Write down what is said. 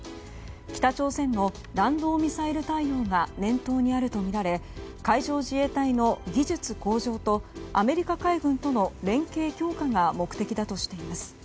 北朝鮮の弾道ミサイル対応が念頭にあるとみられ海上自衛隊の技術向上とアメリカ海軍との連携強化が目的だとしています。